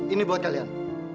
ini buat kalian